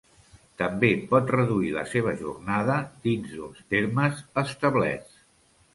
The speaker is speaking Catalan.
També pot reduir la seva jornada dins d'uns termes establerts.